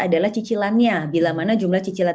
adalah cicilannya bila mana jumlah cicilan